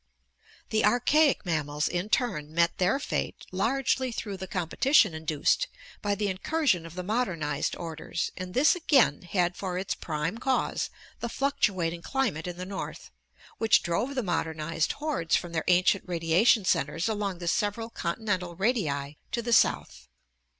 The archaic mammals in turn met their fate largely through the competition induced by the incursion of the modernized orders, and this again had for its prime cause the fluctuating climate in the north, which drove the modernized hordes from their ancient radia tion centers along the several continental radii to the south.